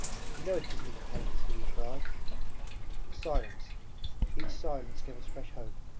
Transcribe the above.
You know it gives me pain to see you cry!" A silence. Each silence gave us fresh hope.